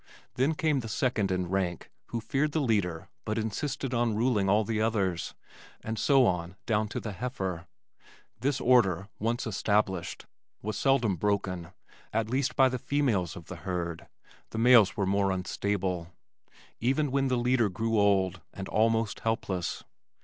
Then came the second in rank who feared the leader but insisted on ruling all the others, and so on down to the heifer. This order, once established, was seldom broken (at least by the females of the herd, the males were more unstable) even when the leader grew old and almost helpless.